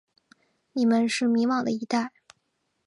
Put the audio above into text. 你们是迷惘的一代。